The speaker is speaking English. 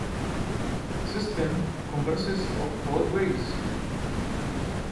The system comprises of roadways.